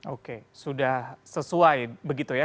oke sudah sesuai begitu ya